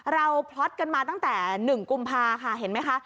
พล็อตกันมาตั้งแต่๑กุมภาค่ะเห็นไหมคะ